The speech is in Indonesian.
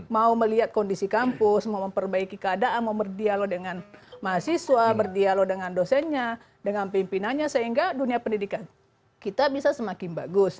mau melihat kondisi kampus mau memperbaiki keadaan mau berdialog dengan mahasiswa berdialog dengan dosennya dengan pimpinannya sehingga dunia pendidikan kita bisa semakin bagus